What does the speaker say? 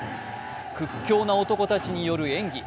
屈強な男たちによる演技。